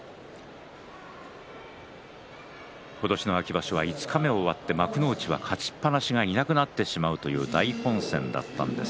今年の秋場所は五日目を終わって幕内は勝ちっぱなしがいなくなってしまう大混戦です。